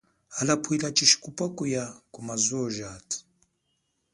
Hala pwila tshishikupwa kuya kumazuwo jathu.